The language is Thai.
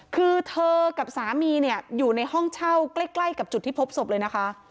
คือเธอกับสามีเนี่ยอยู่ในห้องเช่าใกล้กับจุดที่พบศพเลยนะคะ